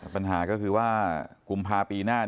ปัญหาก็คือว่ากุมภาพปีหน้า